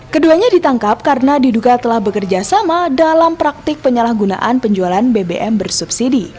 keduanya ditangkap karena diduga telah bekerja sama dalam praktek penyalahgunaan penjualan bbm bersubsidi